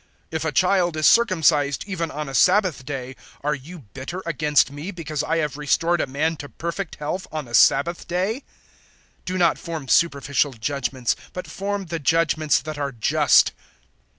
007:023 If a child is circumcised even on a Sabbath day, are you bitter against me because I have restored a man to perfect health on a Sabbath day? 007:024 Do not form superficial judgements, but form the judgements that are just."